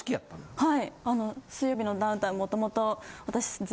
はい。